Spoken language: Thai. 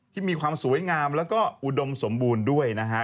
มีความสวยงามแล้วก็อุดมสมบูรณ์ด้วยนะฮะ